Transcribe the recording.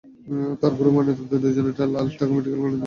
তার পরও ময়নাতদন্তের জন্য লাশ ঢাকা মেডিকেল কলেজ মর্গে পাঠানো হয়েছে।